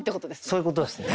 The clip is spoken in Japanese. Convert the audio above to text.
そういうことですね。